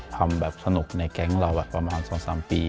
ทำแบบสนุกในแก๊งเราแบบประมาณสองสามปี